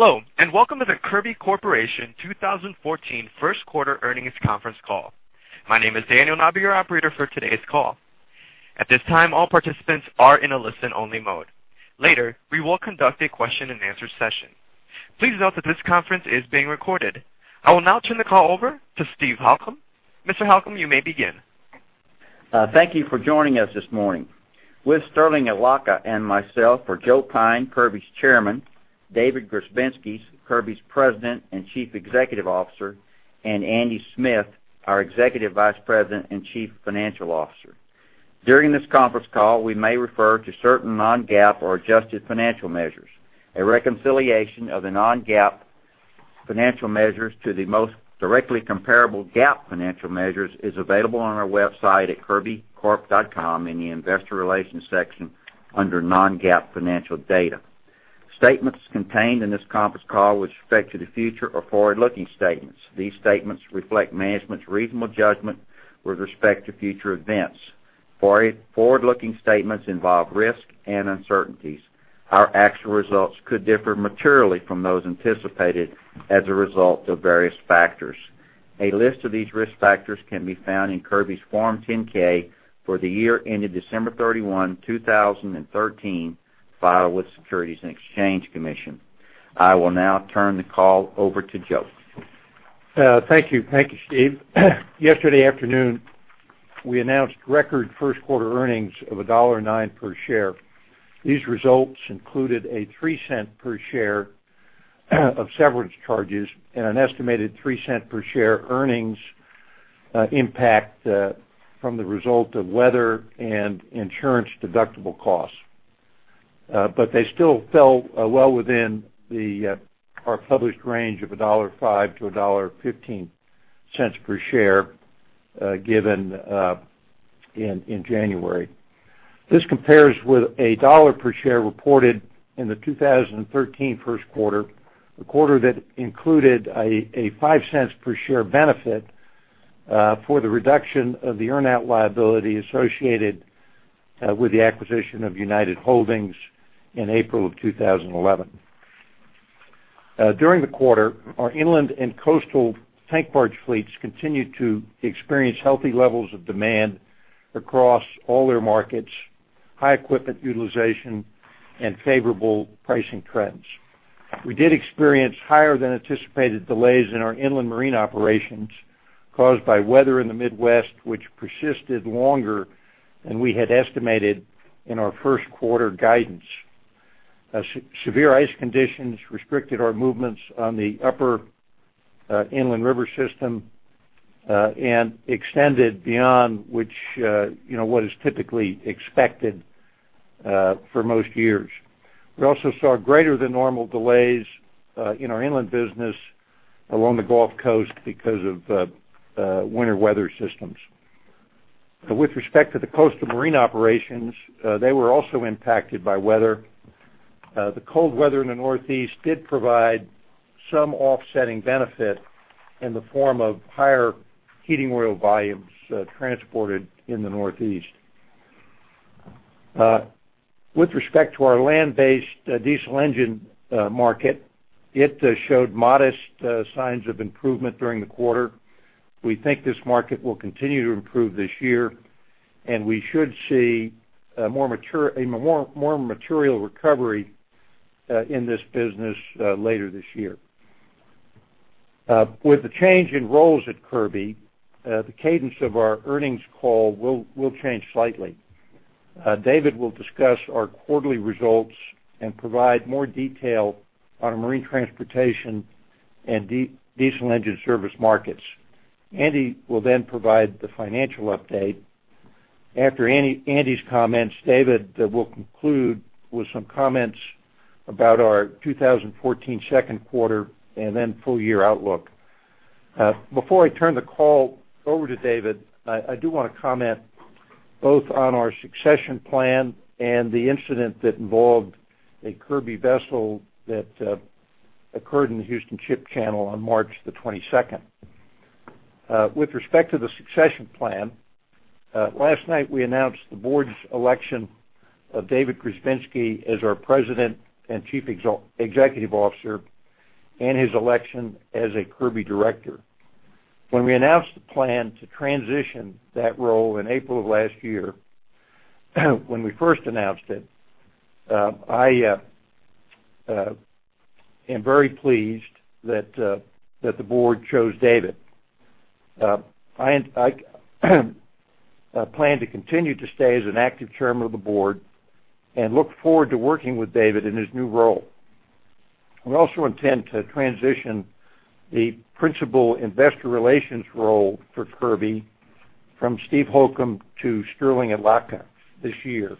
Hello, and welcome to the Kirby Corporation 2014 first quarter earnings conference call. My name is Daniel, and I'll be your operator for today's call. At this time, all participants are in a listen-only mode. Later, we will conduct a question-and-answer session. Please note that this conference is being recorded. I will now turn the call over to Steve Holcomb. Mr. Holcomb, you may begin. Thank you for joining us this morning. With Sterling Adlakha and myself are Joe Pyne, Kirby's Chairman, David Grzebinski, Kirby's President and Chief Executive Officer, and Andy Smith, our Executive Vice President and Chief Financial Officer. During this conference call, we may refer to certain non-GAAP or adjusted financial measures. A reconciliation of the non-GAAP financial measures to the most directly comparable GAAP financial measures is available on our website at kirbycorp.com in the investor relations section under non-GAAP financial data. Statements contained in this conference call with respect to the future are forward-looking statements. These statements reflect management's reasonable judgment with respect to future events. Forward-looking statements involve risk and uncertainties. Our actual results could differ materially from those anticipated as a result of various factors. A list of these risk factors can be found in Kirby's Form 10-K for the year ended December 31, 2013, filed with the Securities and Exchange Commission. I will now turn the call over to Joe. Thank you. Thank you, Steve. Yesterday afternoon, we announced record first-quarter earnings of $1.09 per share. These results included a $0.03 per share of severance charges and an estimated $0.03 per share earnings impact from the result of weather and insurance deductible costs. But they still fell well within our published range of $1.05-$1.15 per share given in January. This compares with $1 per share reported in the 2013 first quarter, a quarter that included a $0.05 per share benefit for the reduction of the earn-out liability associated with the acquisition of United Holdings in April of 2011. During the quarter, our inland and coastal tank barge fleets continued to experience healthy levels of demand across all their markets, high equipment utilization, and favorable pricing trends. We did experience higher than anticipated delays in our inland marine operations caused by weather in the Midwest, which persisted longer than we had estimated in our first-quarter guidance. Severe ice conditions restricted our movements on the upper inland river system and extended beyond which, you know, what is typically expected for most years. We also saw greater than normal delays in our inland business along the Gulf Coast because of winter weather systems. With respect to the coastal marine operations, they were also impacted by weather. The cold weather in the Northeast did provide some offsetting benefit in the form of higher heating oil volumes, transported in the Northeast. With respect to our land-based diesel engine market, it showed modest signs of improvement during the quarter. We think this market will continue to improve this year, and we should see a more material recovery in this business later this year. With the change in roles at Kirby, the cadence of our earnings call will change slightly. David will discuss our quarterly results and provide more detail on our marine transportation and diesel engine service markets. Andy will then provide the financial update. After Andy's comments, David will conclude with some comments about our 2014 second quarter, and then full-year outlook. Before I turn the call over to David, I do want to comment both on our succession plan and the incident that involved a Kirby vessel that occurred in the Houston Ship Channel on March 22. With respect to the succession plan, last night, we announced the board's election of David Grzebinski as our President and Chief Executive Officer and his election as a Kirby director. When we announced the plan to transition that role in April of last year, when we first announced it, I am very pleased that the board chose David. I plan to continue to stay as an active chairman of the board and look forward to working with David in his new role. We also intend to transition the principal investor relations role for Kirby from Steve Holcomb to Sterling Adlakha this year.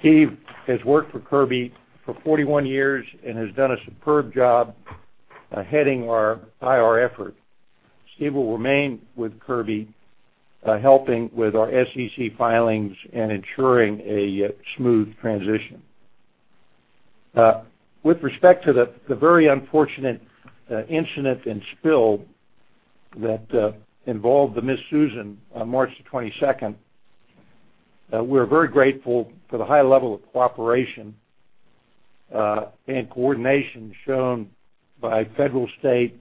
Steve has worked for Kirby for 41 years and has done a superb job heading our IR effort. Steve will remain with Kirby, helping with our SEC filings and ensuring a smooth transition. With respect to the very unfortunate incident and spill that involved the Miss Susan on March 22, we're very grateful for the high level of cooperation and coordination shown by federal, state,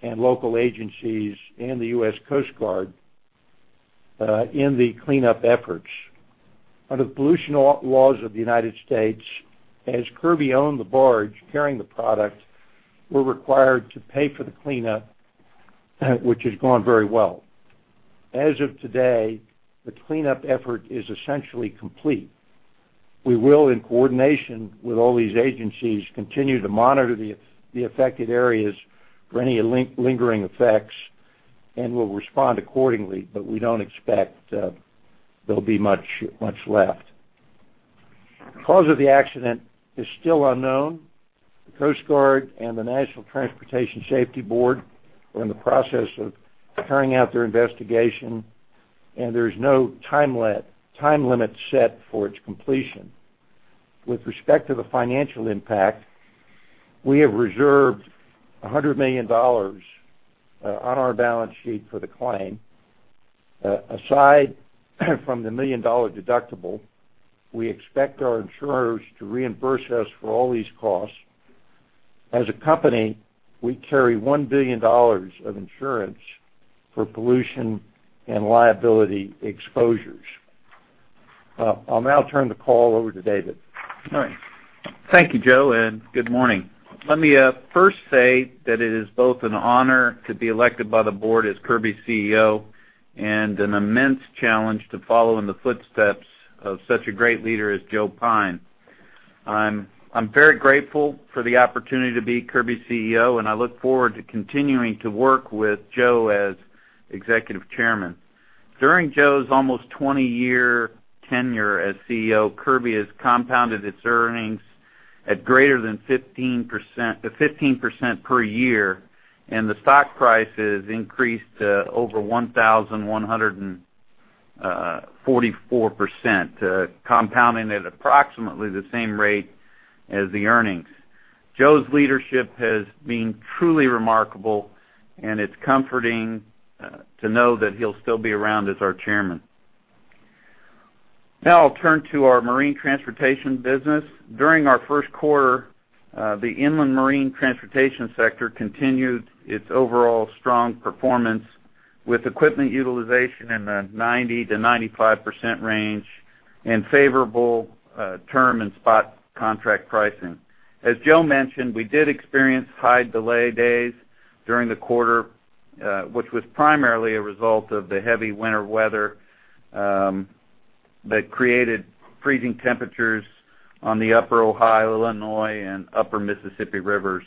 and local agencies and the US Coast Guard in the cleanup efforts. Under the pollution laws of the United States, as Kirby owned the barge carrying the product, we're required to pay for the cleanup, which has gone very well. As of today, the cleanup effort is essentially complete. We will, in coordination with all these agencies, continue to monitor the affected areas for any lingering effects, and we'll respond accordingly, but we don't expect there'll be much left. The cause of the accident is still unknown. The Coast Guard and the National Transportation Safety Board are in the process of carrying out their investigation, and there is no time limit set for its completion. With respect to the financial impact, we have reserved $100 million on our balance sheet for the claim. Aside from the $1 million deductible, we expect our insurers to reimburse us for all these costs. As a company, we carry $1 billion of insurance for pollution and liability exposures. I'll now turn the call over to David. All right. Thank you, Joe, and good morning. Let me first say that it is both an honor to be elected by the board as Kirby's CEO and an immense challenge to follow in the footsteps of such a great leader as Joe Pyne. I'm, I'm very grateful for the opportunity to be Kirby's CEO, and I look forward to continuing to work with Joe as Executive Chairman. During Joe's almost 20-year tenure as CEO, Kirby has compounded its earnings at greater than 15%-- 15% per year, and the stock price has increased to over 1,144%, compounding at approximately the same rate as the earnings. Joe's leadership has been truly remarkable, and it's comforting to know that he'll still be around as our chairman. Now I'll turn to our marine transportation business. During our first quarter, the inland marine transportation sector continued its overall strong performance with equipment utilization in the 90%-95% range and favorable term and spot contract pricing. As Joe mentioned, we did experience high delay days during the quarter, which was primarily a result of the heavy winter weather that created freezing temperatures on the Upper Ohio River, Illinois River, and Upper Mississippi River.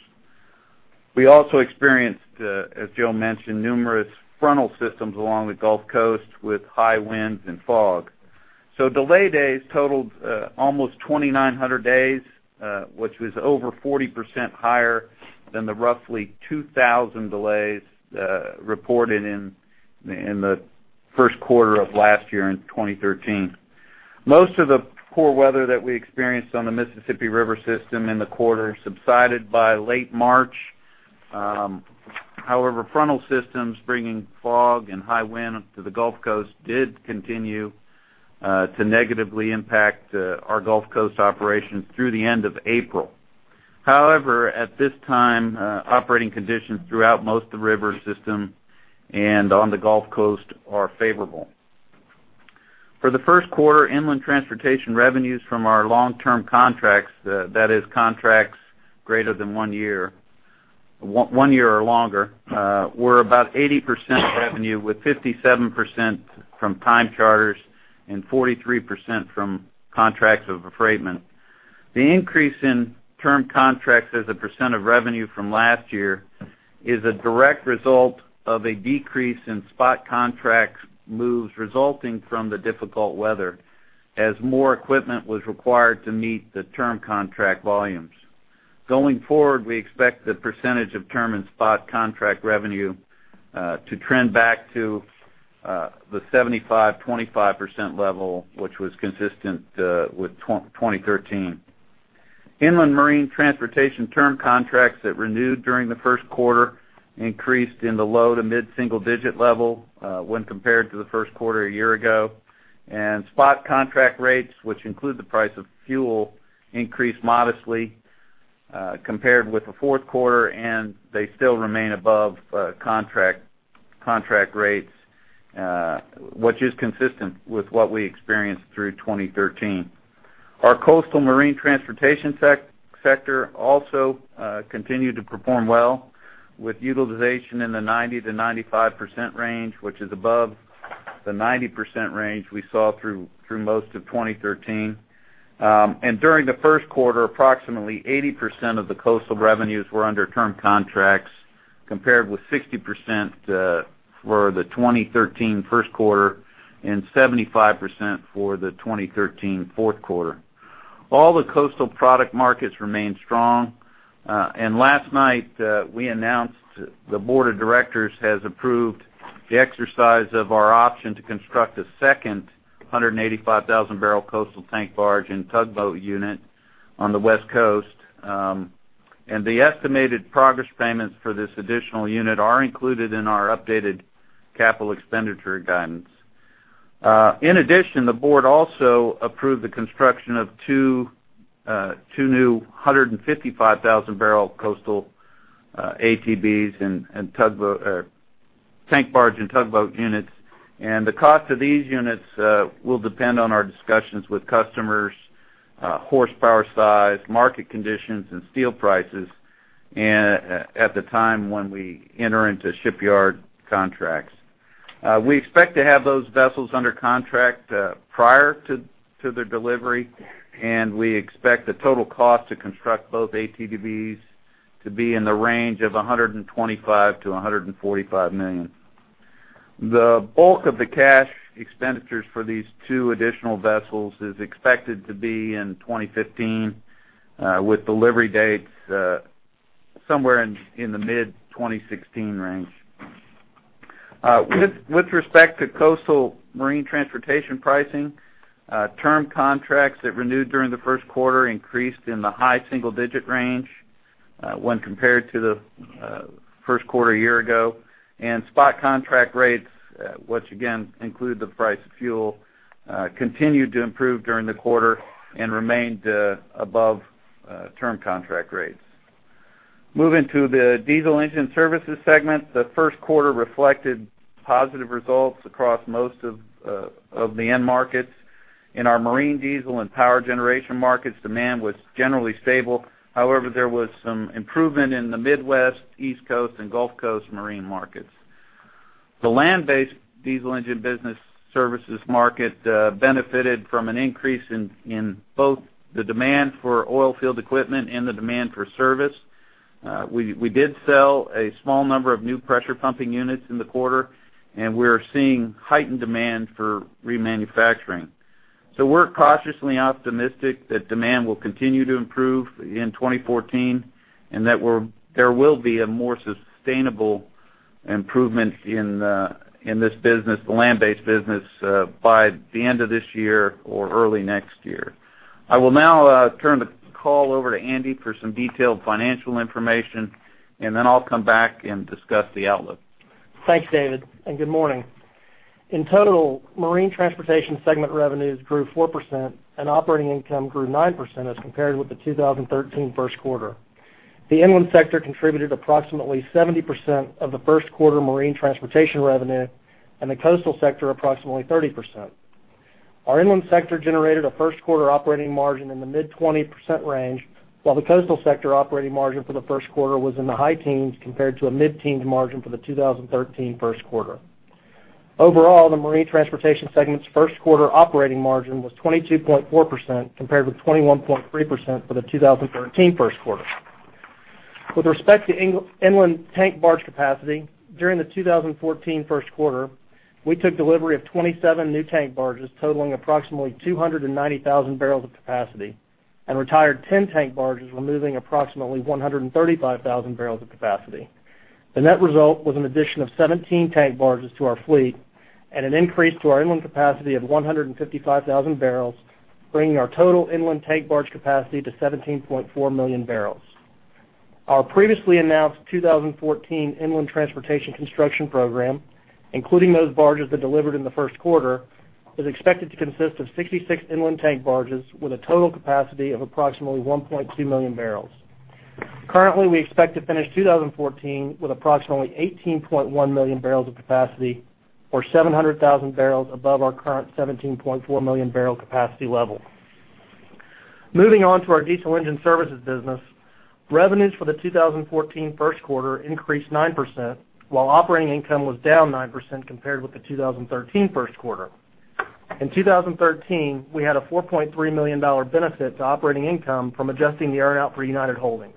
We also experienced, as Joe mentioned, numerous frontal systems along the Gulf Coast with high winds and fog. So delay days totaled almost 2,900 days, which was over 40% higher than the roughly 2,000 delays reported in the first quarter of last year in 2013. Most of the poor weather that we experienced on the Mississippi River system in the quarter subsided by late March. However, frontal systems bringing fog and high wind to the Gulf Coast did continue to negatively impact our Gulf Coast operations through the end of April. However, at this time, operating conditions throughout most of the river system and on the Gulf Coast are favorable. For the first quarter, inland transportation revenues from our long-term contracts, that is, contracts greater than one year or longer, were about 80% of revenue, with 57% from time charters and 43% from contracts of affreightment. The increase in term contracts as a percent of revenue from last year is a direct result of a decrease in spot contract moves resulting from the difficult weather, as more equipment was required to meet the term contract volumes. Going forward, we expect the percentage of term and spot contract revenue to trend back to the 75/25% level, which was consistent with 2013. Inland marine transportation term contracts that renewed during the first quarter increased in the low- to mid-single-digit level when compared to the first quarter a year ago, and spot contract rates, which include the price of fuel, increased modestly compared with the fourth quarter, and they still remain above contract rates, which is consistent with what we experienced through 2013. Our coastal marine transportation sector also continued to perform well, with utilization in the 90%-95% range, which is above the 90% range we saw through most of 2013. And during the first quarter, approximately 80% of the coastal revenues were under term contracts, compared with 60% for the 2013 first quarter and 75% for the 2013 fourth quarter. All the coastal product markets remain strong, and last night we announced the board of directors has approved the exercise of our option to construct a second 185,000-barrel coastal tank barge and tugboat unit on the West Coast. And the estimated progress payments for this additional unit are included in our updated capital expenditure guidance. In addition, the board also approved the construction of two new 255,000-barrel coastal ATBs and tank barge and tugboat units. The cost of these units will depend on our discussions with customers, horsepower size, market conditions, and steel prices, and at the time when we enter into shipyard contracts. We expect to have those vessels under contract prior to their delivery, and we expect the total cost to construct both ATBs to be in the range of $125 million-$145 million. The bulk of the cash expenditures for these two additional vessels is expected to be in 2015, with delivery dates somewhere in the mid-2016 range. With respect to coastal marine transportation pricing, term contracts that renewed during the first quarter increased in the high single-digit range, when compared to the first quarter a year ago, and spot contract rates, which again, include the price of fuel, continued to improve during the quarter and remained above term contract rates. Moving to the diesel engine services segment, the first quarter reflected positive results across most of the end markets. In our marine diesel and power generation markets, demand was generally stable. However, there was some improvement in the Midwest, East Coast, and Gulf Coast marine markets. The land-based diesel engine business services market benefited from an increase in both the demand for oil field equipment and the demand for service. We did sell a small number of new pressure pumping units in the quarter, and we're seeing heightened demand for remanufacturing. So we're cautiously optimistic that demand will continue to improve in 2014, and that there will be a more sustainable improvement in, in this business, the land-based business, by the end of this year or early next year. I will now turn the call over to Andy for some detailed financial information, and then I'll come back and discuss the outlook. Thanks, David, and good morning. In total, marine transportation segment revenues grew 4%, and operating income grew 9% as compared with the 2013 first quarter. The inland sector contributed approximately 70% of the first quarter marine transportation revenue, and the coastal sector, approximately 30%. Our inland sector generated a first quarter operating margin in the mid-20% range, while the coastal sector operating margin for the first quarter was in the high teens, compared to a mid-teens margin for the 2013 first quarter. Overall, the marine transportation segment's first quarter operating margin was 22.4%, compared with 21.3% for the 2013 first quarter. With respect to inland tank barge capacity, during the 2014 first quarter, we took delivery of 27 new tank barges, totaling approximately 290,000 barrels of capacity, and retired 10 tank barges, removing approximately 135,000 barrels of capacity. The net result was an addition of 17 tank barges to our fleet and an increase to our inland capacity of 155,000 barrels, bringing our total inland tank barge capacity to 17.4 million barrels. Our previously announced 2014 inland transportation construction program, including those barges that delivered in the first quarter, is expected to consist of 66 inland tank barges with a total capacity of approximately 1.2 million barrels. Currently, we expect to finish 2014 with approximately 18.1 million barrels of capacity, or 700,000 barrels above our current 17.4 million barrel capacity level. Moving on to our diesel engine services business, revenues for the 2014 first quarter increased 9%, while operating income was down 9% compared with the 2013 first quarter. In 2013, we had a $4.3 million benefit to operating income from adjusting the earn-out for United Holdings.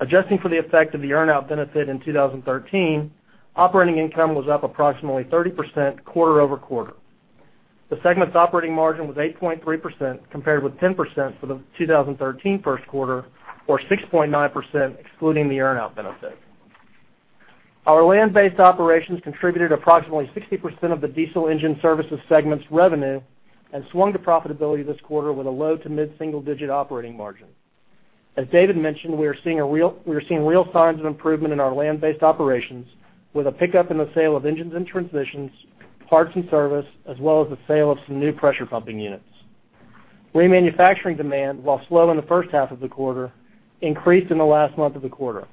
Adjusting for the effect of the earn-out benefit in 2013, operating income was up approximately 30% quarter-over-quarter. The segment's operating margin was 8.3%, compared with 10% for the 2013 first quarter, or 6.9% excluding the earn-out benefit. Our land-based operations contributed approximately 60% of the diesel engine services segment's revenue and swung to profitability this quarter with a low to mid-single digit operating margin. As David mentioned, we are seeing real signs of improvement in our land-based operations, with a pickup in the sale of engines and transmissions, parts and service, as well as the sale of some new pressure pumping units. Remanufacturing demand, while slow in the first half of the quarter, increased in the last month of the quarter.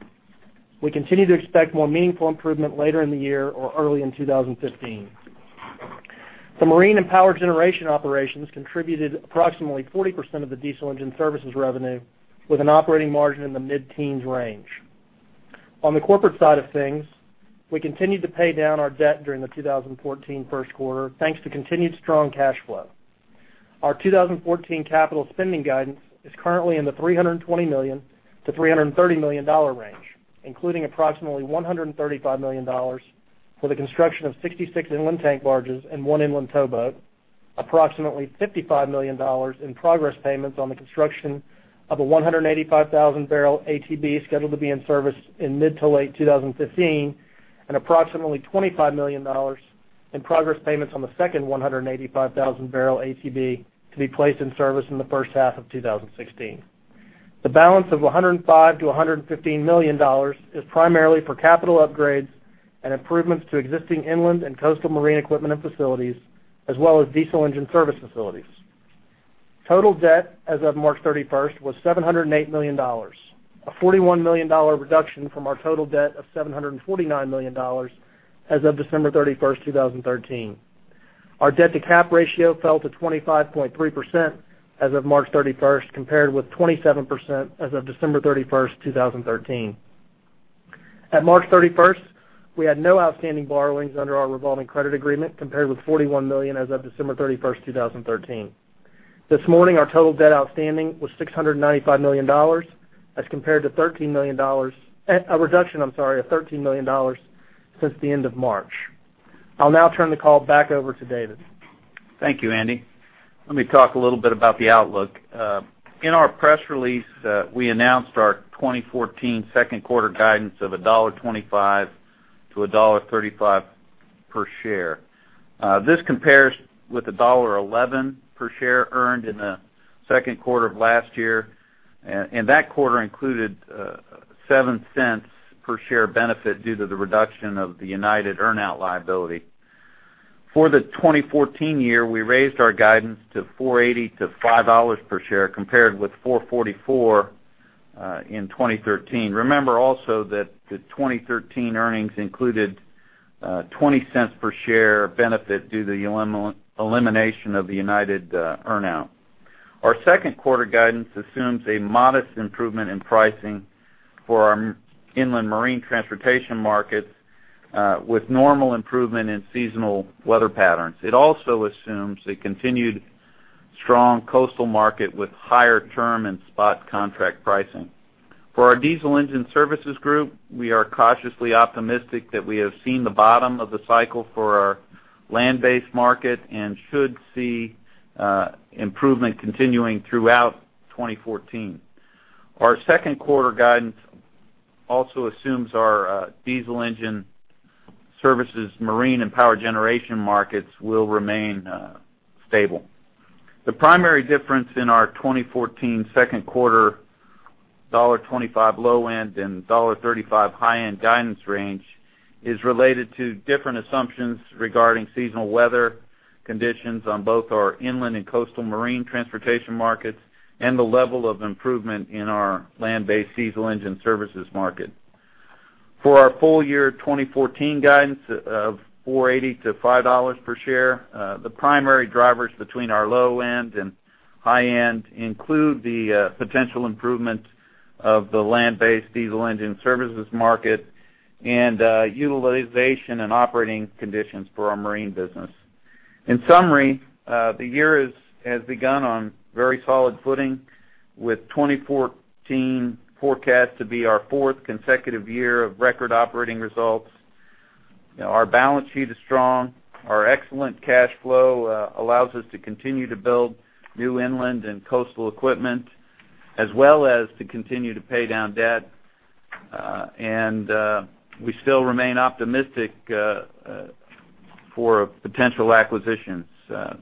We continue to expect more meaningful improvement later in the year or early in 2015. The marine and power generation operations contributed approximately 40% of the diesel engine services revenue, with an operating margin in the mid-teens range. On the corporate side of things, we continued to pay down our debt during the 2014 first quarter, thanks to continued strong cash flow. Our 2014 capital spending guidance is currently in the $320 million-$330 million range, including approximately $135 million for the construction of 66 inland tank barges and 1 inland towboat, approximately $55 million in progress payments on the construction of a 185,000-barrel ATB, scheduled to be in service in mid- to late 2015, and approximately $25 million dollars and progress payments on the second 185,000-barrel ATB to be placed in service in the first half of 2016. The balance of $105 million-$115 million is primarily for capital upgrades and improvements to existing inland and coastal marine equipment and facilities, as well as diesel engine service facilities. Total debt as of March 31st was $708 million, a $41 million reduction from our total debt of $749 million as of December 31st, 2013. Our debt-to-cap ratio fell to 25.3% as of March 31st, compared with 27% as of December 31st, 2013. At March 31st, we had no outstanding borrowings under our revolving credit agreement, compared with $41 million as of December 31st, 2013. This morning, our total debt outstanding was $695 million, as compared to $13 million, a reduction, I'm sorry, of $13 million since the end of March. I'll now turn the call back over to David. Thank you, Andy. Let me talk a little bit about the outlook. In our press release, we announced our 2014 second quarter guidance of $1.25-$1.35 per share. This compares with $1.11 per share earned in the second quarter of last year, and that quarter included $0.07 per share benefit due to the reduction of the United earn-out liability. For the 2014 year, we raised our guidance to $4.80-$5 per share, compared with $4.44 in 2013. Remember also that the 2013 earnings included $0.20 per share benefit due to the elimination of the United earn-out. Our second quarter guidance assumes a modest improvement in pricing for our inland marine transportation markets, with normal improvement in seasonal weather patterns. It also assumes a continued strong coastal market with higher term and spot contract pricing. For our diesel engine services group, we are cautiously optimistic that we have seen the bottom of the cycle for our land-based market and should see improvement continuing throughout 2014. Our second quarter guidance also assumes our diesel engine services, marine, and power generation markets will remain stable. The primary difference in our 2014 second quarter $25 low end and $35 high-end guidance range is related to different assumptions regarding seasonal weather conditions on both our inland and coastal marine transportation markets and the level of improvement in our land-based diesel engine services market. For our full year 2014 guidance of $4.80-$5 per share, the primary drivers between our low end and high end include the potential improvement of the land-based diesel engine services market and utilization and operating conditions for our marine business. In summary, the year has begun on very solid footing, with 2014 forecast to be our fourth consecutive year of record operating results. Our balance sheet is strong. Our excellent cash flow allows us to continue to build new inland and coastal equipment, as well as to continue to pay down debt, and we still remain optimistic for potential acquisitions.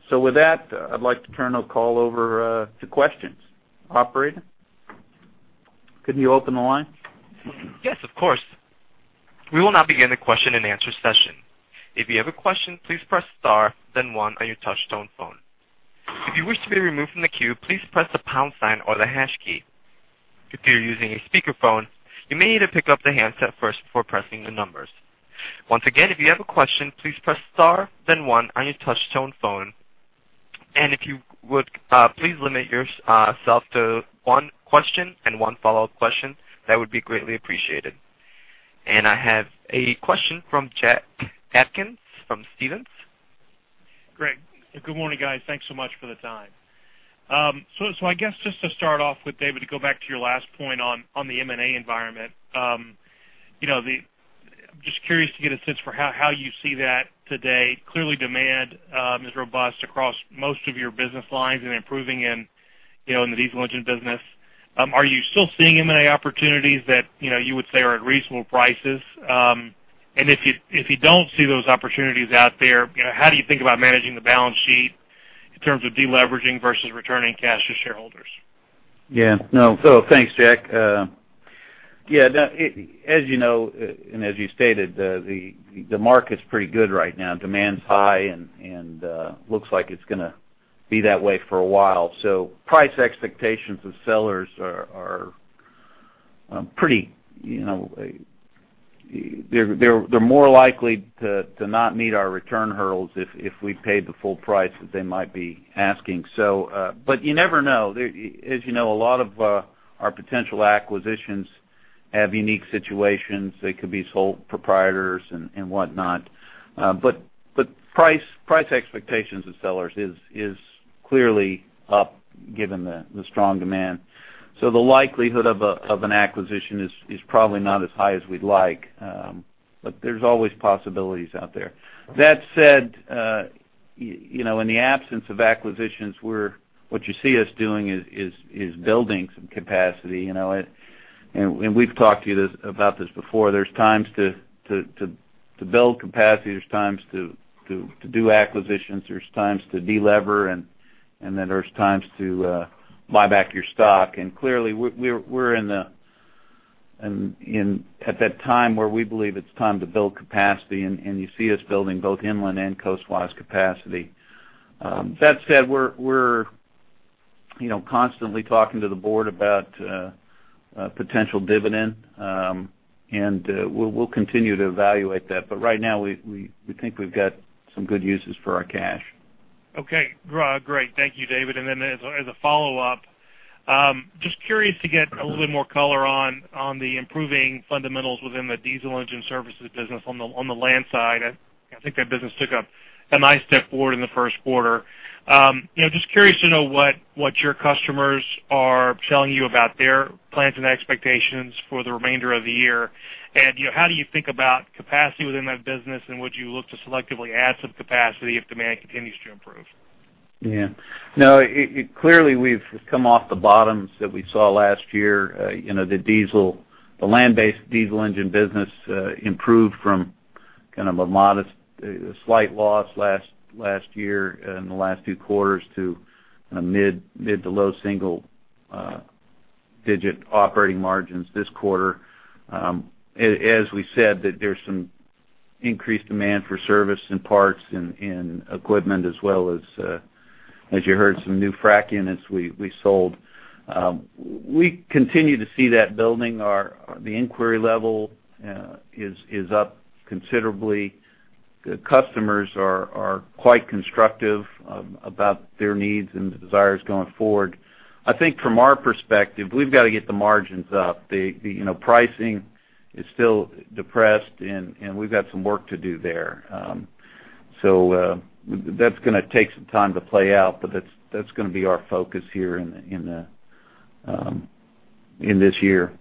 So with that, I'd like to turn the call over to questions. Operator, can you open the line? Yes, of course. We will now begin the question-and-answer session. If you have a question, please press star then one on your touchtone phone. If you wish to be removed from the queue, please press the pound sign or the hash key. If you're using a speakerphone, you may need to pick up the handset first before pressing the numbers. Once again, if you have a question, please press star then one on your touchtone phone. And if you would, please limit yourself to one question and one follow-up question, that would be greatly appreciated. And I have a question from Jack Atkins from Stephens. Great. Good morning, guys. Thanks so much for the time. So, I guess just to start off with, David, to go back to your last point on the M&A environment, you know. Just curious to get a sense for how you see that today. Clearly, demand is robust across most of your business lines and improving in, you know, in the diesel engine business. Are you still seeing M&A opportunities that, you know, you would say are at reasonable prices? And if you don't see those opportunities out there, you know, how do you think about managing the balance sheet in terms of deleveraging versus returning cash to shareholders? Yeah. No. So thanks, Jack. Yeah, as you know, and as you stated, the market's pretty good right now. Demand's high and looks like it's going to be that way for a while. So price expectations of sellers are pretty, you know, they're more likely to not meet our return hurdles if we paid the full price that they might be asking. So, but you never know. As you know, a lot of our potential acquisitions have unique situations. They could be sole proprietors and whatnot. But price expectations of sellers is clearly up, given the strong demand. So the likelihood of an acquisition is probably not as high as we'd like, but there's always possibilities out there. That said... You know, in the absence of acquisitions, we're what you see us doing is building some capacity, you know, and we've talked to you about this before. There's times to build capacity. There's times to do acquisitions. There's times to delever, and then there's times to buy back your stock. And clearly, we're in at that time, where we believe it's time to build capacity, and you see us building both inland and coastwise capacity. That said, we're, you know, constantly talking to the board about potential dividend, and we'll continue to evaluate that. But right now, we think we've got some good uses for our cash. Okay, great. Thank you, David. And then as a follow-up, just curious to get a little bit more color on the improving fundamentals within the diesel engine services business on the land side. I think that business took a nice step forward in the first quarter. You know, just curious to know what your customers are telling you about their plans and expectations for the remainder of the year. And, you know, how do you think about capacity within that business, and would you look to selectively add some capacity if demand continues to improve? Yeah. No, it clearly, we've come off the bottoms that we saw last year. You know, the diesel, the land-based diesel engine business, improved from kind of a modest, slight loss last year in the last few quarters to a mid- to low-single-digit operating margins this quarter. As we said, that there's some increased demand for service and parts and equipment, as well as, as you heard, some new frack units we sold. We continue to see that building. Our inquiry level is up considerably. The customers are quite constructive about their needs and desires going forward. I think from our perspective, we've got to get the margins up. You know, pricing is still depressed, and we've got some work to do there. So, that's going to take some time to play out, but that's going to be our focus here in this year.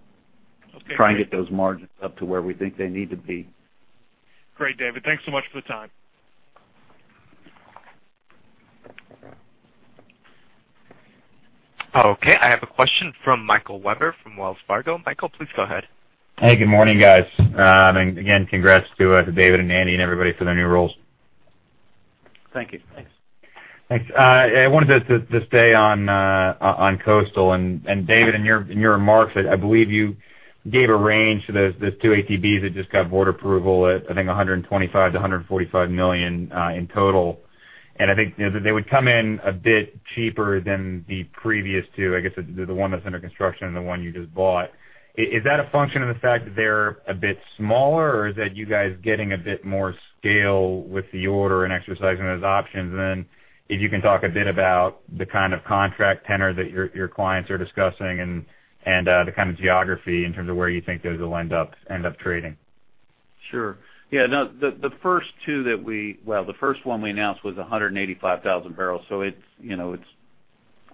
Okay. Try and get those margins up to where we think they need to be. Great, David. Thanks so much for the time. Okay, I have a question from Michael Webber from Wells Fargo. Michael, please go ahead. Hey, good morning, guys. Again, congrats to David and Andy and everybody for their new roles. Thank you. Thanks. Thanks. I wanted to just stay on coastal. And David, in your remarks, I believe you gave a range to those two ATBs that just got board approval at, I think, $125 million-$145 million in total. And I think, you know, that they would come in a bit cheaper than the previous two, I guess, the one that's under construction and the one you just bought. Is that a function of the fact that they're a bit smaller, or is that you guys getting a bit more scale with the order and exercising those options? Then, if you can talk a bit about the kind of contract tenor that your clients are discussing and the kind of geography in terms of where you think those will end up trading. Sure. Yeah, no, the first two that we... Well, the first one we announced was 185,000 barrels, so it's, you know, it's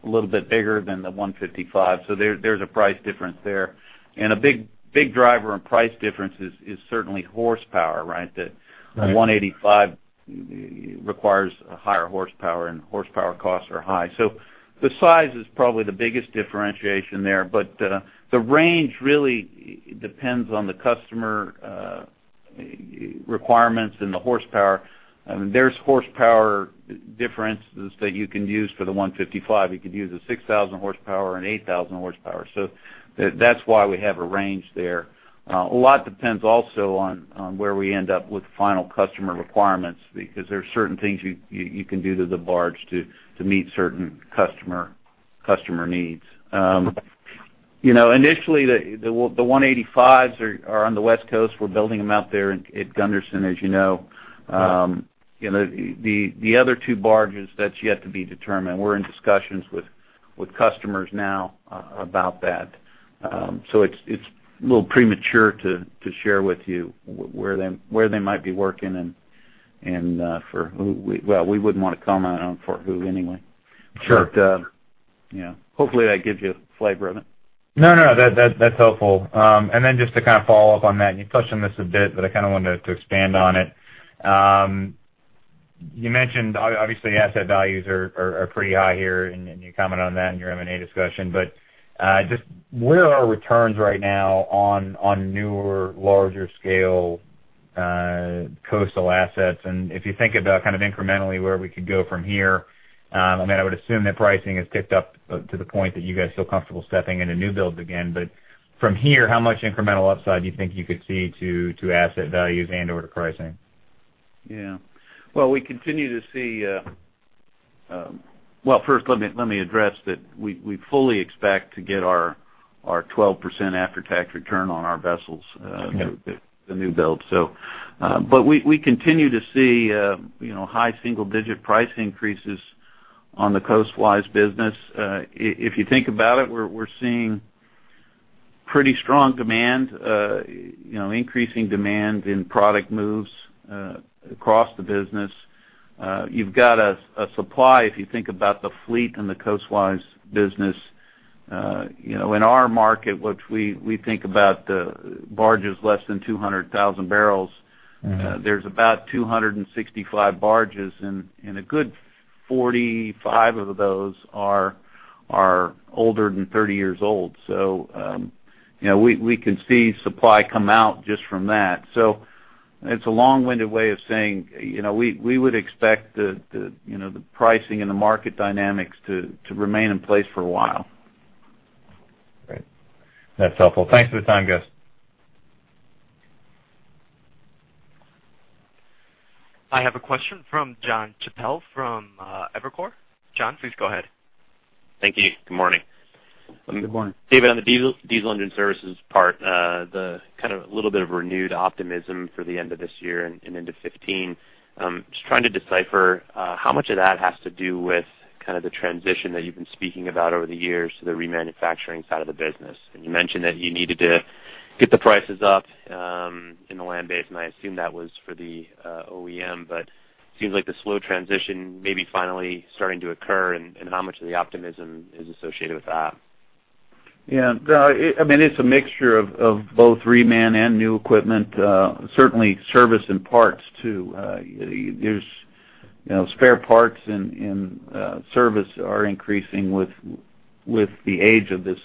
a little bit bigger than the 155. So there, there's a price difference there. And a big, big driver in price differences is certainly horsepower, right? Right. The 185 requires a higher horsepower, and horsepower costs are high. So the size is probably the biggest differentiation there. But, the range really depends on the customer requirements and the horsepower. I mean, there's horsepower differences that you can use for the 155. You could use a 6,000 horsepower and 8,000 horsepower, so that's why we have a range there. A lot depends also on where we end up with final customer requirements, because there are certain things you can do to the barge to meet certain customer needs. You know, initially, the 185s are on the West Coast. We're building them out there at Gunderson, as you know. You know, the other two barges, that's yet to be determined. We're in discussions with customers now, about that. So it's a little premature to share with you where they might be working and for who. Well, we wouldn't want to comment on for who anyway. Sure. You know, hopefully, that gives you a flavor of it. No, no, that's helpful. And then just to kind of follow up on that, you touched on this a bit, but I kind of wanted to expand on it. You mentioned obviously asset values are pretty high here, and you commented on that in your M&A discussion. But just where are returns right now on newer, larger scale coastal assets? And if you think about kind of incrementally where we could go from here, I mean, I would assume that pricing has ticked up to the point that you guys feel comfortable stepping into new builds again. But from here, how much incremental upside do you think you could see to asset values and/or to pricing? Yeah. Well, we continue to see. Well, first, let me address that we fully expect to get our 12% after-tax return on our vessels. Okay The new build. So, but we continue to see, you know, high single-digit price increases on the coastwise business. If you think about it, we're seeing pretty strong demand, you know, increasing demand in product moves, across the business. You've got a supply, if you think about the fleet and the coastwise business,... you know, in our market, which we think about the barges less than 200,000 barrels, there's about 265 barges, and a good 45 of those are older than 30 years old. So, you know, we can see supply come out just from that. So it's a long-winded way of saying, you know, we would expect the, you know, the pricing and the market dynamics to remain in place for a while. Great. That's helpful. Thanks for the time, Gus. I have a question from John Chappell from Evercore. John, please go ahead. Thank you. Good morning. Good morning. David, on the diesel, diesel engine services part, the kind of a little bit of renewed optimism for the end of this year and into 2015. Just trying to decipher how much of that has to do with kind of the transition that you've been speaking about over the years to the remanufacturing side of the business. And you mentioned that you needed to get the prices up in the land base, and I assume that was for the OEM. But seems like the slow transition may be finally starting to occur, and how much of the optimism is associated with that? Yeah, I mean, it's a mixture of both reman and new equipment, certainly service and parts, too. There's, you know, spare parts and service are increasing with the age of this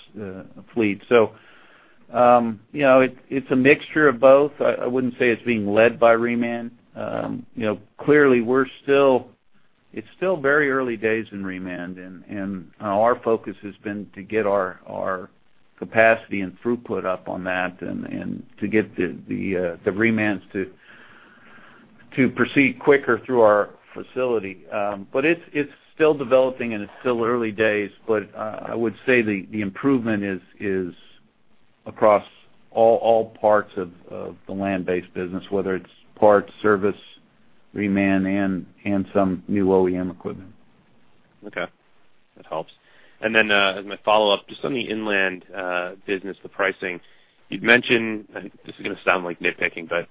fleet. So, you know, it's a mixture of both. I wouldn't say it's being led by reman. You know, clearly, we're still it's still very early days in reman, and our focus has been to get our capacity and throughput up on that and to get the remans to proceed quicker through our facility. But it's still developing, and it's still early days, but I would say the improvement is across all parts of the land-based business, whether it's parts, service, reman, and some new OEM equipment. Okay. That helps. And then, as my follow-up, just on the inland business, the pricing. You'd mentioned, and this is going to sound like nitpicking, but,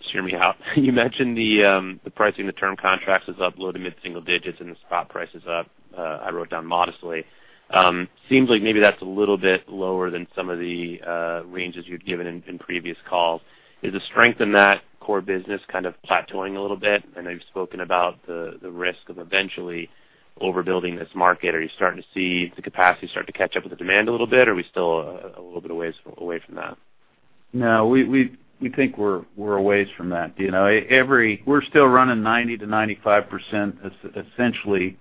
hear me out. You mentioned the the pricing, the term contracts is up low to mid-single digits, and the spot price is up, I wrote down modestly. Seems like maybe that's a little bit lower than some of the ranges you've given in, in previous calls. Is the strength in that core business kind of plateauing a little bit? I know you've spoken about the the risk of eventually overbuilding this market. Are you starting to see the capacity start to catch up with the demand a little bit, or are we still a little bit ways away from that? No, we think we're a ways from that. You know, every-- we're still running 90%-95%, essentially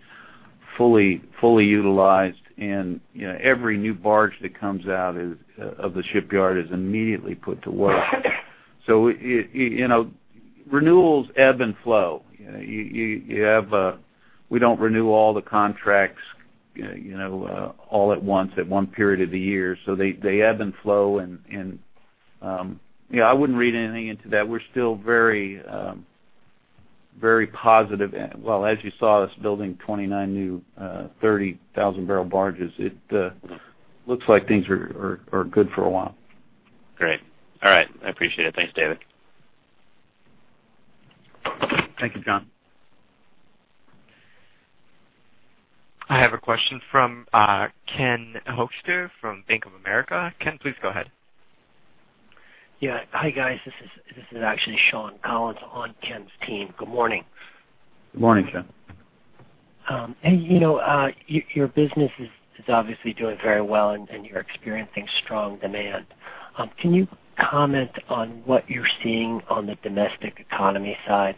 fully utilized. And, you know, every new barge that comes out of the shipyard is immediately put to work. So, you know, renewals ebb and flow. You have, we don't renew all the contracts, you know, all at once at one period of the year, so they ebb and flow. And, you know, I wouldn't read anything into that. We're still very very positive. Well, as you saw us building 29 new 30,000-barrel barges, it looks like things are good for a while. Great. All right, I appreciate it. Thanks, David. Thank you, John. I have a question from Ken Hoexter from Bank of America. Ken, please go ahead. Yeah. Hi, guys. This is actually Sean Collins on Ken's team. Good morning. Good morning, Sean. And you know, your business is obviously doing very well, and you're experiencing strong demand. Can you comment on what you're seeing on the domestic economy side?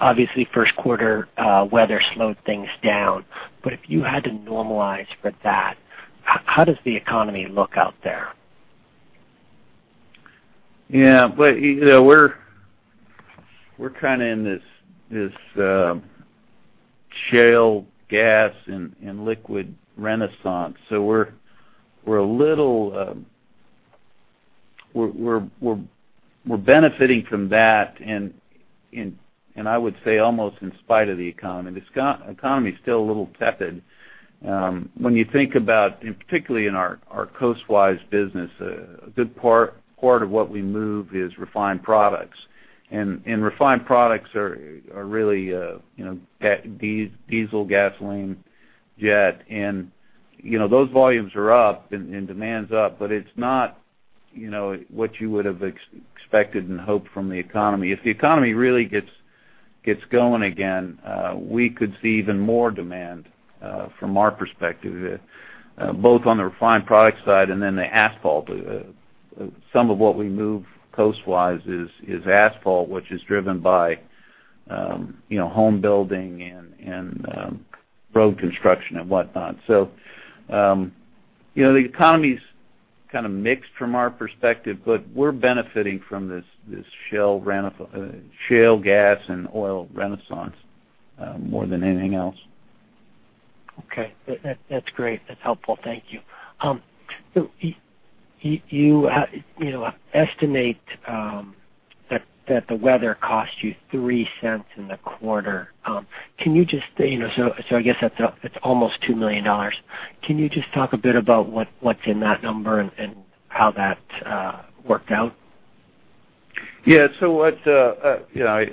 Obviously, first quarter weather slowed things down, but if you had to normalize for that, how does the economy look out there? Yeah, but, you know, we're kind of in this shale gas and liquid renaissance. So we're a little... We're benefiting from that, and I would say almost in spite of the economy. The economy is still a little tepid. When you think about, and particularly in our coastwise business, a good part of what we move is refined products. And refined products are really, you know, gas, diesel, gasoline, jet. And, you know, those volumes are up, and demand's up, but it's not, you know, what you would have expected and hoped from the economy. If the economy really gets going again, we could see even more demand, from our perspective, both on the refined product side and then the asphalt. Some of what we move coastwise is asphalt, which is driven by, you know, home building and road construction and whatnot. So, you know, the economy's kind of mixed from our perspective, but we're benefiting from this shale gas and oil renaissance, more than anything else. Okay. That's great. That's helpful. Thank you. So you, you know, estimate that the weather cost you $0.03 in the quarter. Can you just... You know, so I guess that's, it's almost $2 million. Can you just talk a bit about what's in that number and how that worked out? Yeah, so what, you know,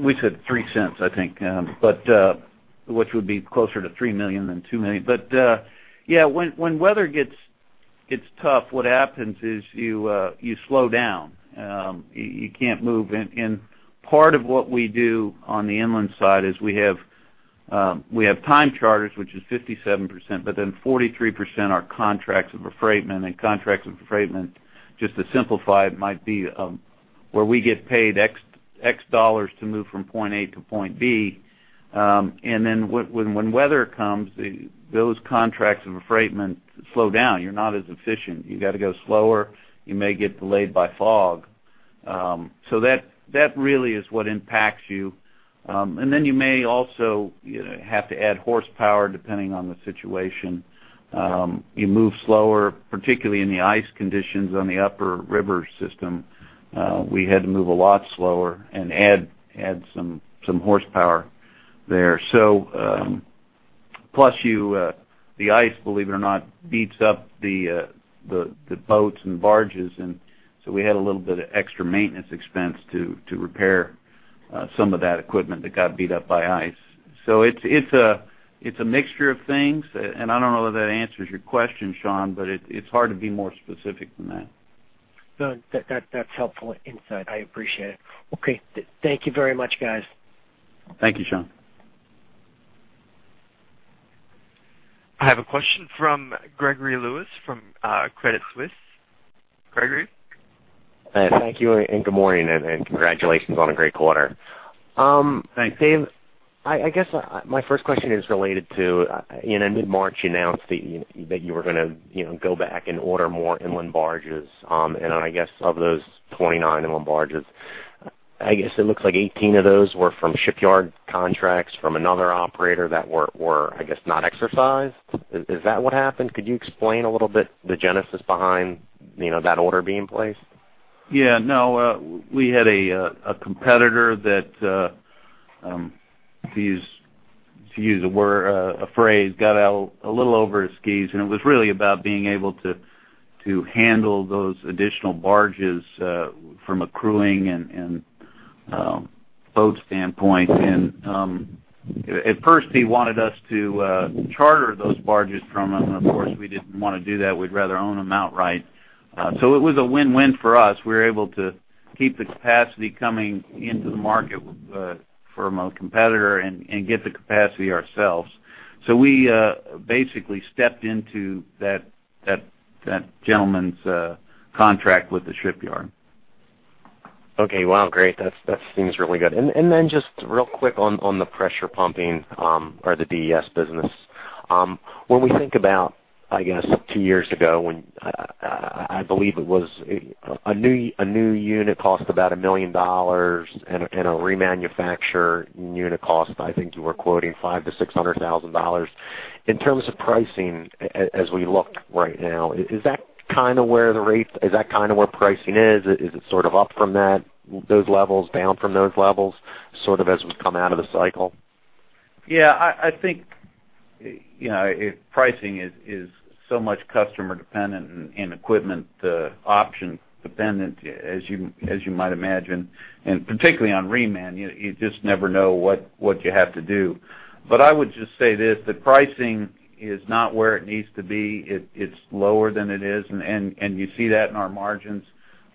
we said 3 cents, I think, but which would be closer to $3 million than $2 million. But yeah, when weather gets tough, what happens is you slow down. You can't move. And part of what we do on the inland side is we have time charters, which is 57%, but then 43% are contracts of affreightment, and contracts of affreightment, just to simplify it, might be where we get paid x dollars to move from point A to point B. And then when weather comes, those contracts of affreightment slow down. You're not as efficient. You've got to go slower. You may get delayed by fog. So that really is what impacts you. And then you may also, you know, have to add horsepower, depending on the situation. You move slower, particularly in the ice conditions on the upper river system. We had to move a lot slower and add, add some, some horsepower there. So The ice, believe it or not, beats up the, the, the boats and barges, and so we had a little bit of extra maintenance expense to, to repair, some of that equipment that got beat up by ice. So it's, it's a, it's a mixture of things, and I don't know whether that answers your question, Sean, but it, it's hard to be more specific than that. No, that's helpful insight. I appreciate it. Okay. Thank you very much, guys. Thank you, Sean. I have a question from Gregory Lewis from Credit Suisse. Gregory? Hi. Thank you, and good morning, and, and congratulations on a great quarter. Thanks. Dave, I guess my first question is related to in mid-March, you announced that you were going to, you know, go back and order more inland barges. I guess of those 29 inland barges, I guess it looks like 18 of those were from shipyard contracts from another operator that were, I guess, not exercised. Is that what happened? Could you explain a little bit the genesis behind, you know, that order being placed? Yeah. No, we had a competitor that, to use a phrase, got out a little over his skis, and it was really about being able to handle those additional barges from a crewing and boat standpoint. And at first, he wanted us to charter those barges from him, and of course, we didn't want to do that. We'd rather own them outright. So it was a win-win for us. We were able to keep the capacity coming into the market from a competitor and get the capacity ourselves. So we basically stepped into that gentleman's contract with the shipyard. Okay. Wow, great. That seems really good. And then just real quick on the pressure pumping or the DES business. When we think about, I guess, two years ago, when I believe it was, a new unit cost about $1 million, and a remanufactured unit cost, I think you were quoting $500,000-$600,000. In terms of pricing, as we look right now, is that kind of where the rate? Is that kind of where pricing is? Is it sort of up from that, those levels, down from those levels, sort of as we come out of the cycle? Yeah, I, I think, you know, pricing is, is so much customer dependent and, and equipment option dependent, as you, as you might imagine, and particularly on reman, you, you just never know what, what you have to do. But I would just say this: the pricing is not where it needs to be. It, it's lower than it is, and, and, and you see that in our margins.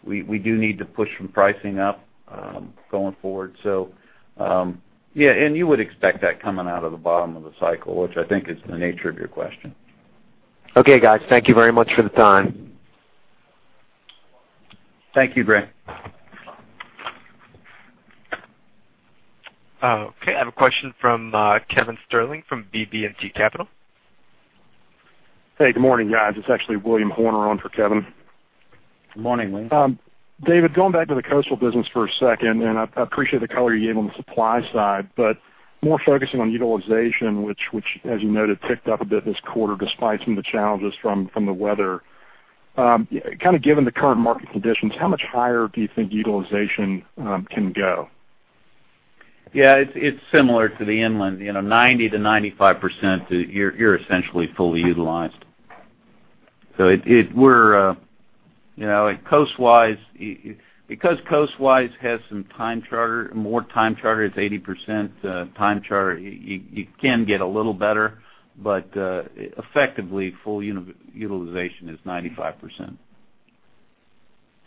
We, we do need to push some pricing up, going forward. So, yeah, and you would expect that coming out of the bottom of the cycle, which I think is the nature of your question. Okay, guys. Thank you very much for the time. Thank you, Greg. Okay, I have a question from Kevin Sterling from BB&T Capital. Hey, good morning, guys. It's actually William Horner on for Kevin. Good morning, William. David, going back to the coastal business for a second, and I appreciate the color you gave on the supply side, but more focusing on utilization, which, as you noted, ticked up a bit this quarter, despite some of the challenges from the weather. Kind of given the current market conditions, how much higher do you think utilization can go? Yeah, it's similar to the inland. You know, 90%-95%, you're essentially fully utilized. So it -- we're, you know, coastwise, because coastwise has some time charter, more time charter, it's 80% time charter, you can get a little better, but, effectively, full utilization is 95%.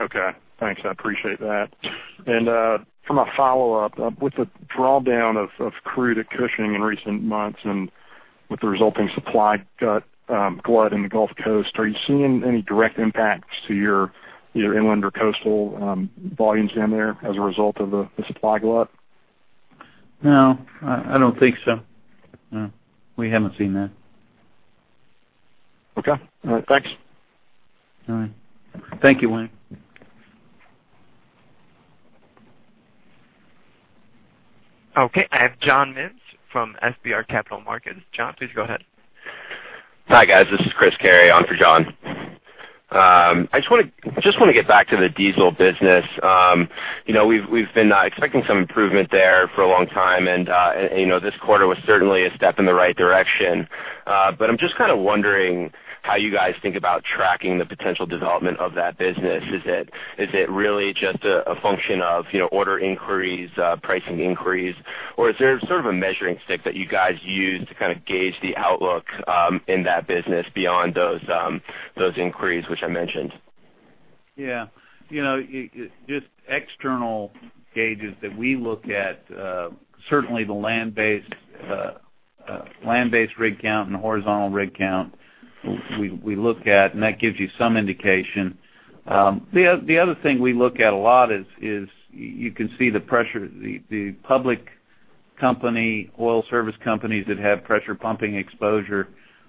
Okay. Thanks. I appreciate that. And from a follow-up with the drawdown of crude at Cushing in recent months and with the resulting supply glut in the Gulf Coast, are you seeing any direct impacts to your either inland or coastal volumes down there as a result of the supply glut? No, I don't think so. No, we haven't seen that. Okay. All right, thanks. All right. Thank you, William. Okay, I have John Mintz from FBR Capital Markets. John, please go ahead. Hi, guys. This is Chris Carey on for John. I just want to get back to the diesel business. You know, we've been expecting some improvement there for a long time, and you know, this quarter was certainly a step in the right direction. But I'm just kind of wondering how you guys think about trends tracking the potential development of that business. Is it really just a function of, you know, order inquiries, pricing inquiries? Or is there sort of a measuring stick that you guys use to kind of gauge the outlook in that business beyond those inquiries which I mentioned? Yeah. You know, just external gauges that we look at, certainly the land-based rig count and horizontal rig count we look at, and that gives you some indication. The other thing we look at a lot is you can see the pressure. The public company oil service companies that have pressure pumping exposure,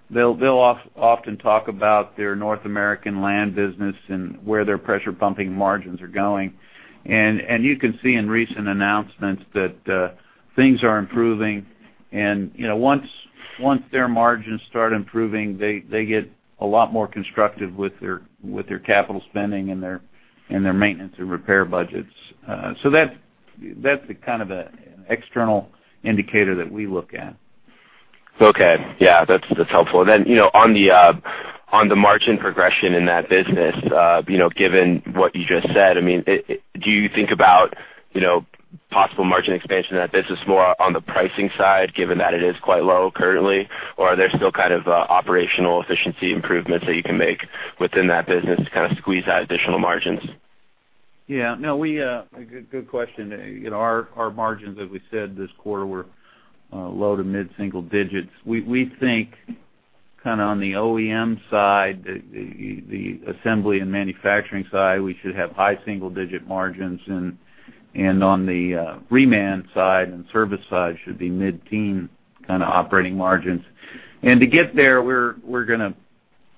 they'll often talk about their North American land business and where their pressure pumping margins are going. And you can see in recent announcements that things are improving. And you know, once their margins start improving, they get a lot more constructive with their capital spending and their maintenance and repair budgets. So that's the kind of a external indicator that we look at. Okay. Yeah, that's, that's helpful. And then, you know, on the margin progression in that business, you know, given what you just said, I mean, do you think about, you know, possible margin expansion in that business more on the pricing side, given that it is quite low currently? Or are there still kind of operational efficiency improvements that you can make within that business to kind of squeeze out additional margins? Yeah. Good question. You know, our margins, as we said this quarter, were low to mid-single digits. We think kind of on the OEM side, the assembly and manufacturing side, we should have high single-digit margins. And on the repair and service side should be mid-teen kind of operating margins. And to get there, we're going to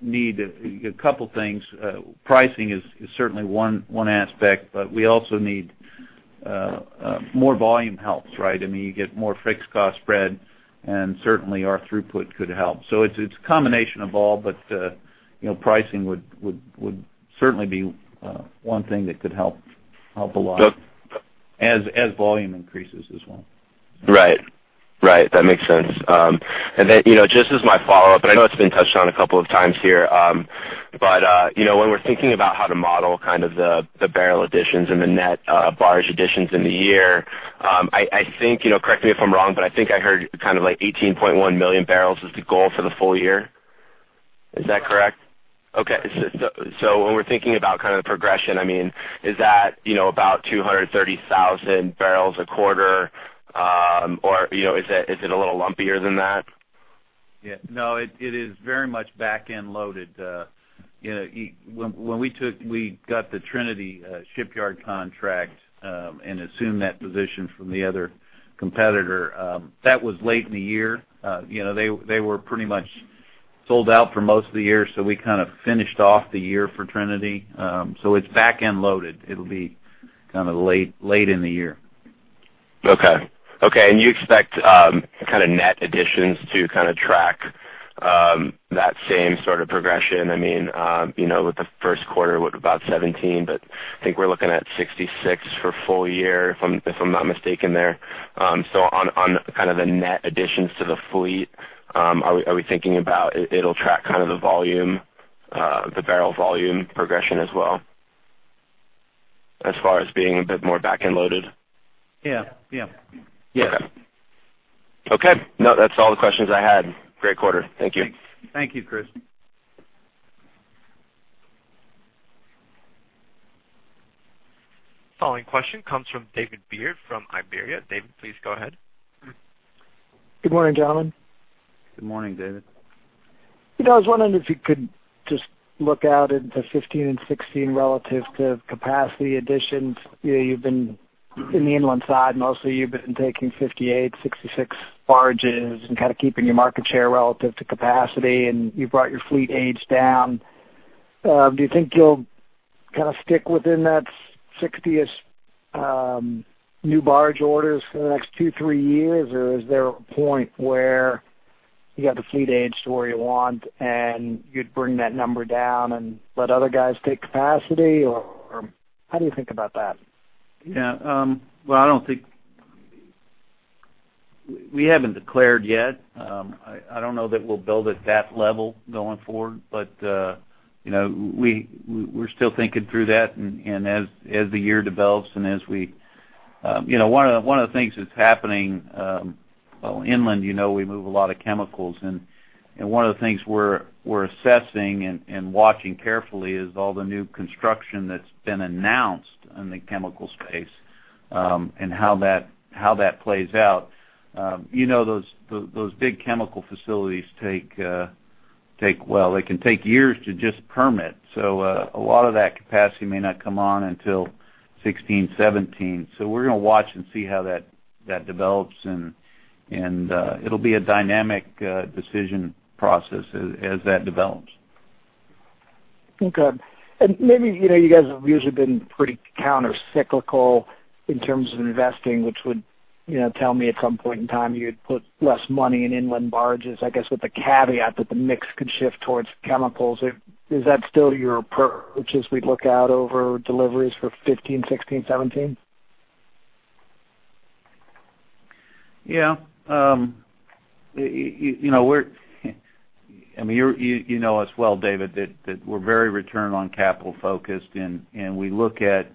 need a couple things. Pricing is certainly one aspect, but we also need more volume helps, right? I mean, you get more fixed cost spread, and certainly our throughput could help. So it's a combination of all, but you know, pricing would certainly be one thing that could help a lot as volume increases as well. Right. Right, that makes sense. And then, you know, just as my follow-up, and I know it's been touched on a couple of times here. But, you know, when we're thinking about how to model kind of the barrel additions and the net barge additions in the year, I think, you know, correct me if I'm wrong, but I think I heard kind of like 18.1 million barrels is the goal for the full year. Is that correct? Okay. So when we're thinking about kind of the progression, I mean, is that, you know, about 230,000 barrels a quarter, or, you know, is it a little lumpier than that? Yeah. No, it is very much back-end loaded. You know, when we took, we got the Trinity shipyard contract, and assumed that position from the other competitor, that was late in the year. You know, they were pretty much sold out for most of the year, so we kind of finished off the year for Trinity. So it's back-end loaded. It'll be kind of late in the year. Okay. Okay, and you expect kind of net additions to kind of track that same sort of progression? I mean, you know, with the first quarter, what, about 17, but I think we're looking at 66 for full year, if I'm not mistaken there. So on, on kind of the net additions to the fleet, are we thinking about it? It'll track kind of the volume, the barrel volume progression as well, as far as being a bit more back-end loaded? Yeah. Yeah. Yes. Okay. Okay. No, that's all the questions I had. Great quarter. Thank you. Thank you, Chris. Following question comes from David Beard from Iberia. David, please go ahead. Good morning, gentlemen. Good morning, David. You know, I was wondering if you could just look out into 2015 and 2016 relative to capacity additions. You know, you've been in the inland side, mostly you've been taking 58, 66 barges and kind of keeping your market share relative to capacity, and you've brought your fleet age down. Do you think you'll kind of stick within that sixty-ish new barge orders for the next two, three years? Or is there a point where you got the fleet age to where you want, and you'd bring that number down and let other guys take capacity, or how do you think about that? Yeah, well, I don't think... We haven't declared yet. I don't know that we'll build at that level going forward, but, you know, we're still thinking through that, and as the year develops and as we... You know, one of the things that's happening, well, inland, you know, we move a lot of chemicals, and one of the things we're assessing and watching carefully is all the new construction that's been announced in the chemical space, and how that plays out. You know, those big chemical facilities take a while. They can take years to just permit, so a lot of that capacity may not come on until 2016, 2017. We're going to watch and see how that develops, and it'll be a dynamic decision process as that develops. Okay. And maybe, you know, you guys have usually been pretty countercyclical in terms of investing, which would, you know, tell me at some point in time, you'd put less money in inland barges, I guess, with the caveat that the mix could shift towards chemicals. Is, is that still your approach as we look out over deliveries for 2015, 2016, 2017? Yeah. You know, we're, I mean, you, you know us well, David, that we're very return on capital focused, and we look at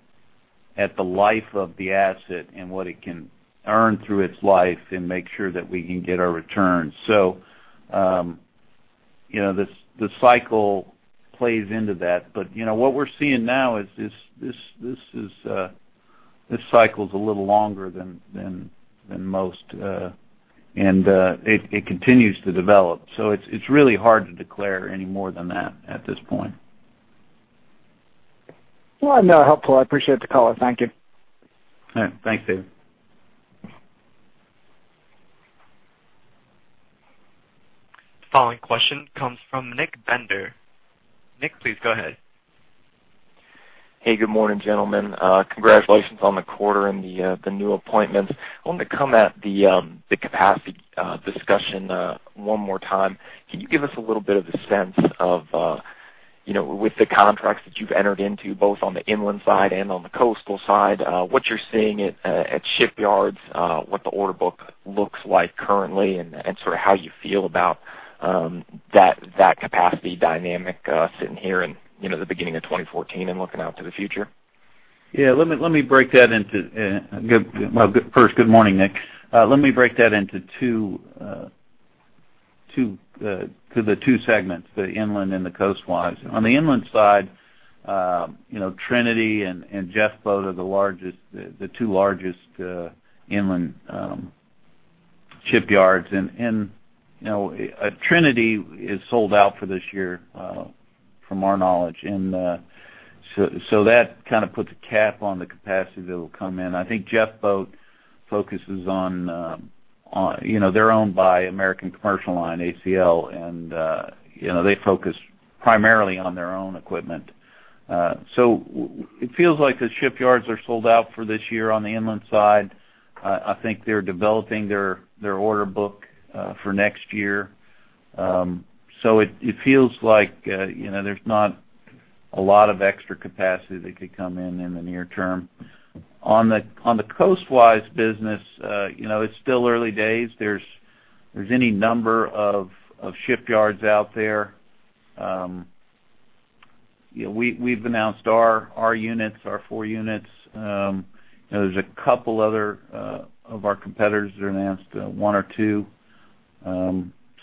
the life of the asset and what it can earn through its life and make sure that we can get our returns. So, you know, the cycle plays into that. But, you know, what we're seeing now is this, this is this cycle is a little longer than most, and it continues to develop. So it's really hard to declare any more than that at this point. Well, no, helpful. I appreciate the call. Thank you. All right. Thanks, David. The following question comes from Nick Bender. Nick, please go ahead. Hey, good morning, gentlemen. Congratulations on the quarter and the new appointments. I wanted to come at the capacity discussion one more time. Can you give us a little bit of a sense of, you know, with the contracts that you've entered into, both on the inland side and on the coastal side, what you're seeing at shipyards, what the order book looks like currently, and sort of how you feel about that capacity dynamic, sitting here in, you know, the beginning of 2014 and looking out to the future? Yeah, let me break that into—well, first, good morning, Nick. Let me break that into two, to the two segments, the inland and the coastwise. On the inland side, you know, Trinity and Jeffboat are the largest, the two largest inland shipyards. And, you know, Trinity is sold out for this year, from our knowledge. And, so that kind of puts a cap on the capacity that will come in. I think Jeffboat focuses on, you know, they're owned by American Commercial Lines, ACL, and, you know, they focus primarily on their own equipment. So it feels like the shipyards are sold out for this year on the inland side. I think they're developing their order book for next year. So it feels like, you know, there's not a lot of extra capacity that could come in in the near term. On the coastwise business, you know, it's still early days. There's any number of shipyards out there. You know, we've announced our units, our 4 units. You know, there's a couple other of our competitors that announced 1 or 2.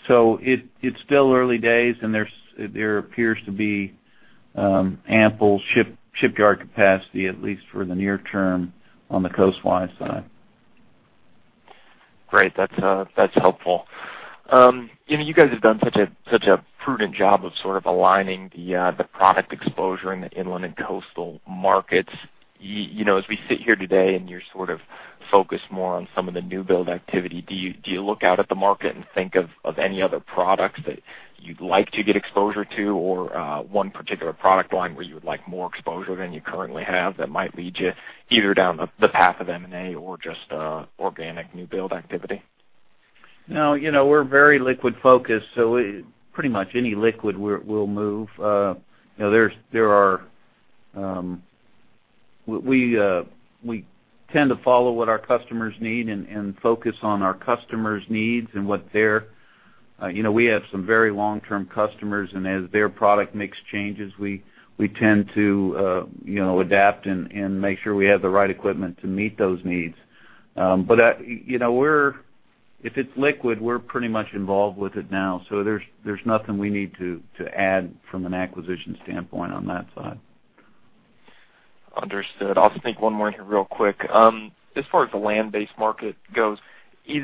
So it's still early days, and there appears to be ample shipyard capacity, at least for the near term, on the coastwise side. Great. That's, that's helpful. You know, you guys have done such a, such a prudent job of sort of aligning the, the product exposure in the inland and coastal markets. You know, as we sit here today, and you're sort of focused more on some of the new build activity, do you, do you look out at the market and think of, of any other products that you'd like to get exposure to, or, one particular product line where you would like more exposure than you currently have, that might lead you either down the, the path of M&A or just, organic new build activity? No, you know, we're very liquid focused, so pretty much any liquid we're, we'll move. You know, there are... We tend to follow what our customers need and focus on our customers' needs and what their, you know, we have some very long-term customers, and as their product makes changes, we tend to, you know, adapt and make sure we have the right equipment to meet those needs. But that, you know, we're if it's liquid, we're pretty much involved with it now, so there's nothing we need to add from an acquisition standpoint on that side. Understood. I'll just make one more here real quick. As far as the land-based market goes, is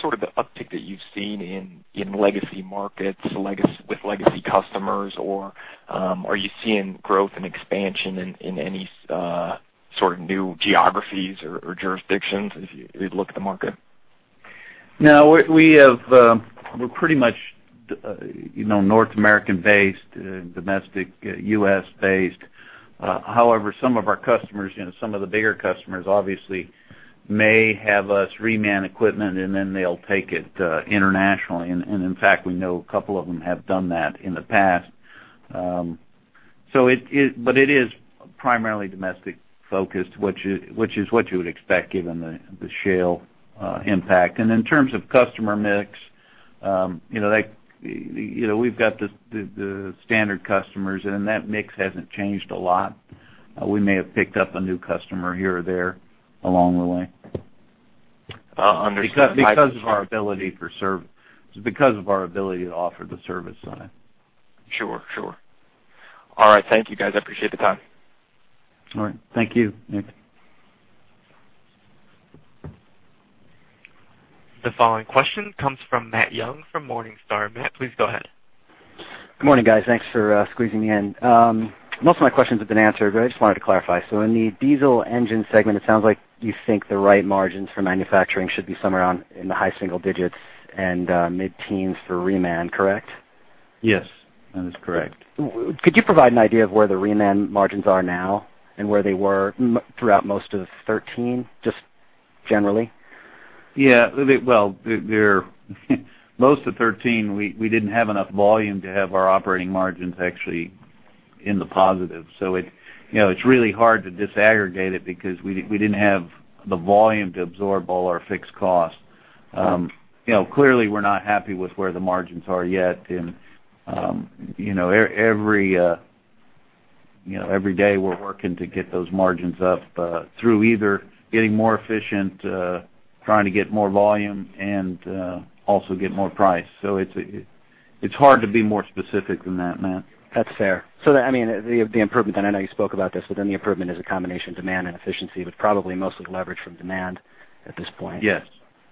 sort of the uptick that you've seen in legacy markets with legacy customers, or are you seeing growth and expansion in any sort of new geographies or jurisdictions as you look at the market? No, we have, we're pretty much, you know, North American-based, domestic, US-based. However, some of our customers, you know, some of the bigger customers, obviously, may have us reman equipment, and then they'll take it, internationally. And in fact, we know a couple of them have done that in the past. So but it is primarily domestic focused, which is what you would expect, given the shale impact. And in terms of customer mix, you know, like, you know, we've got the standard customers, and that mix hasn't changed a lot. We may have picked up a new customer here or there along the way. Uh, understood. Because of our ability to offer the service on it. Sure, sure. All right. Thank you, guys. I appreciate the time. All right. Thank you, Nick. The following question comes from Matt Young from Morningstar. Matt, please go ahead. Good morning, guys. Thanks for squeezing me in. Most of my questions have been answered, but I just wanted to clarify. So in the diesel engine segment, it sounds like you think the right margins for manufacturing should be somewhere around in the high single digits and mid-teens for reman, correct? Yes, that is correct. Could you provide an idea of where the reman margins are now and where they were throughout most of 2013, just generally? Yeah. Well, through most of 2013, we didn't have enough volume to have our operating margins actually in the positive. So, you know, it's really hard to disaggregate it because we didn't have the volume to absorb all our fixed costs. You know, clearly, we're not happy with where the margins are yet, and, you know, every day we're working to get those margins up through either getting more efficient, trying to get more volume, and also get more price. So it's hard to be more specific than that, Matt. That's fair. So, I mean, the improvement, and I know you spoke about this, but then the improvement is a combination of demand and efficiency, but probably mostly leverage from demand at this point. Yes,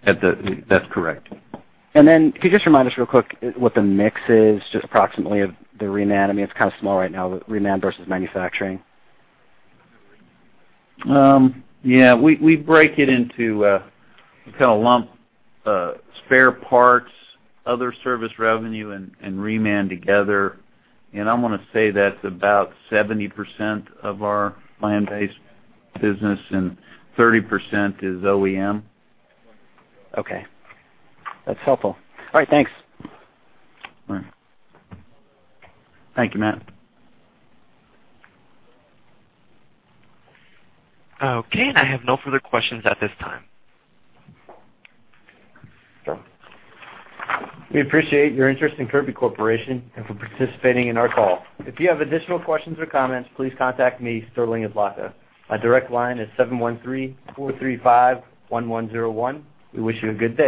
that's correct. And then, could you just remind us real quick what the mix is, just approximately, of the reman? I mean, it's kind of small right now, but reman versus manufacturing. Yeah, we break it into, we kind of lump spare parts, other service revenue, and reman together, and I want to say that's about 70% of our land-based business, and 30% is OEM. Okay. That's helpful. All right, thanks. All right. Thank you, Matt. Okay, and I have no further questions at this time. Sure. We appreciate your interest in Kirby Corporation and for participating in our call. If you have additional questions or comments, please contact me, Sterling Adlakha. My direct line is 713-435-1101. We wish you a good day.